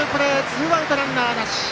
ツーアウトランナーなし。